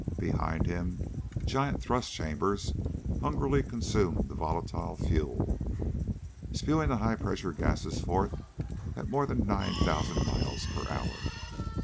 Behind him giant thrust chambers hungrily consumed the volatile fuel, spewing the high pressure gases forth at more than nine thousand miles per hour.